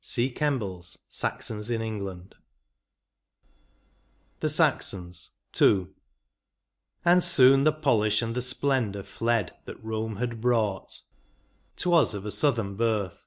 — See Kembles " Saxons in England" 19 IX. THE SAXONS. — II. And soon the polish and the splendour fled That Eome had brought; 'twas of a southern birth.